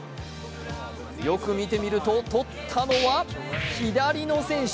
よく見てみると、とったのは左の選手。